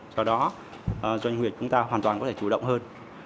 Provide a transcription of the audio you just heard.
do đó doanh nghiệp chúng ta hoàn toàn có thể chủ động hơn